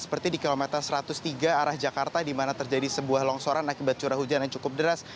seperti di kilometer satu ratus tiga arah jakarta di mana terjadi sebuah longsoran akibat curah hujan yang cukup deras